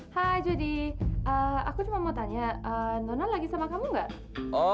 hai jodi aku cuma mau tanya nona lagi sama kamu gak